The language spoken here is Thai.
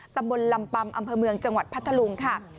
ตำบลลำปัมอำเภอเมืองจังหวัดพัทธลุงค่ะ